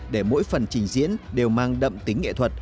để mỗi phần trình diễn đều mang đậm tính nghệ thuật